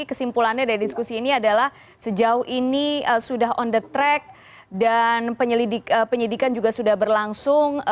kesimpulannya dari diskusi ini adalah sejauh ini sudah on the track dan penyelidikan juga sudah berlangsung